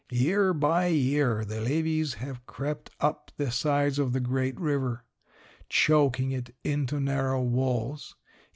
Year by year the levees have crept up the sides of the great river, choking it into narrow walls.